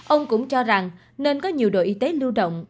ông cũng cho rằng nên có nhiều đội y tế lưu động